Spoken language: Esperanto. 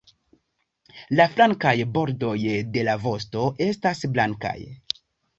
La flankaj bordoj de la vosto estas blankaj.